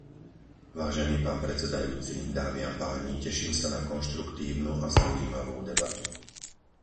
Vážený pán predsedajúci, dámy a páni, teším sa na konštruktívnu a zaujímavú debatu.